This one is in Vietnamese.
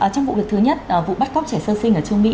trong vụ việc thứ nhất vụ bắt cóc trẻ sơ sinh ở trương mỹ